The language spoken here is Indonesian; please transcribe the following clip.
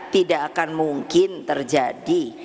tidak akan mungkin terjadi